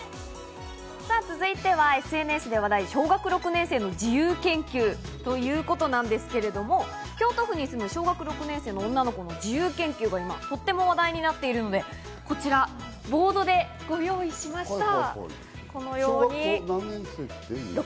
さぁ続いては、ＳＮＳで話題、小学６年生の自由研究ということなんですけれども、京都府に住む小学６年生の女の子の自由研究が今、とても話題になっているので、こちらボードでご用意しました。